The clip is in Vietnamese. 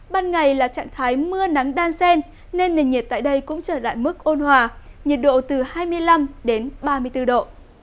ban ngày là trạng thái mưa nắng đan sen nên nền nhiệt tại đây cũng trở lại mức ôn hòa nhiệt độ từ hai mươi năm đến ba mươi bốn độ